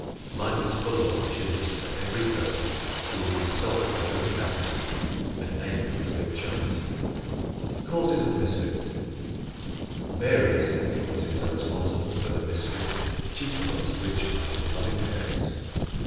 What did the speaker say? Life is full of opportunities for every person who will consult his own capacities and aim for the big chance. Causes of Misfits ¶ Various influences are responsible for the misfit, chief amongst which are his loving parents.